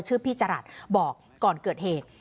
ชื่อพี่จรัสบอกก่อนเกิดเหตุ